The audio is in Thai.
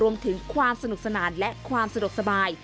รวมถึงความสนุกสนานและความสะดวกสบาย